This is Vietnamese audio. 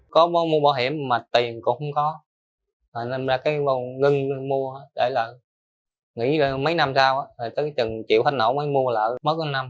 có mua bảo hiểm mà tiền cũng không có nên ngưng mua để nghỉ mấy năm sau chừng chịu hết nổ mới mua lại mất mấy năm